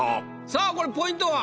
さあこれポイントは？